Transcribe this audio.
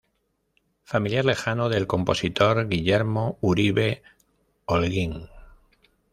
Familiar lejano del compositor Guillermo Uribe Holguín.